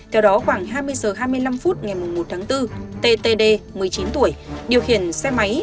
theo đó khoảng hai mươi h hai mươi năm phút ngày một tháng bốn ttd một mươi chín tuổi điều khiển xe máy